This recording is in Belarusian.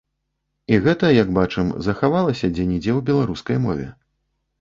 І гэта, як бачым, захавалася дзе-нідзе ў беларускай мове.